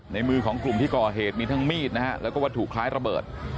ในมือของกลุ่มที่ก่อเหตุมีทั้งมีดนะฮะแล้วก็วัตถุคล้ายระเบิด